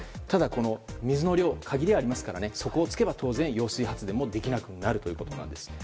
ただ、水の量に限りがありますから底をつけば当然、揚水発電もできなくなるということです。